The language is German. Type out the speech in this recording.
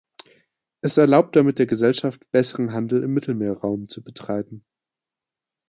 Es erlaubt damit der Gesellschaft besseren Handel im Mittelmeerraum zu betreiben.